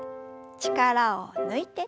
力を抜いて。